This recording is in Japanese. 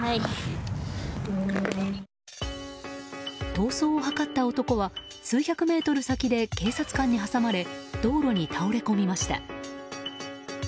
逃走を図った男は数百メートル先で警察官に挟まれ道路に倒れ込みました。